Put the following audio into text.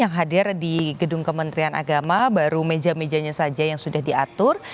yang hadir di gedung kementerian agama baru meja mejanya saja yang sudah diatur